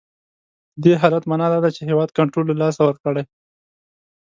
د دې حالت معنا دا ده چې هیواد کنټرول له لاسه ورکړی.